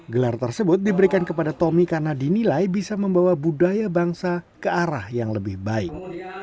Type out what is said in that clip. gelar tersebut diberikan kepada tommy karena dinilai bisa membawa budaya bangsa ke arah yang lebih baik